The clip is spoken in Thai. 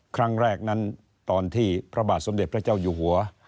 ครั้งแรกนั้นตอนที่พระบาทสมเด็จพระเจ้าอยู่หัว